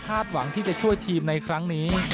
หวังที่จะช่วยทีมในครั้งนี้